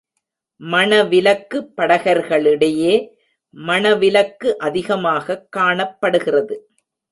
மணவிலக்கு படகர்களிடையே மணவிலக்கு அதிகமாகக் காணப்படுகிறது.